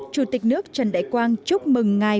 chủ tịch nước trần đại quang chúc mừng ngài